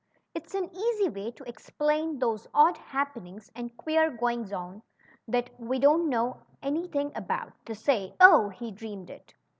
It's an easy way to explain those odd hap penings and queer goings on that we don't know any thing about, to say, " Oh ! he dreamed it."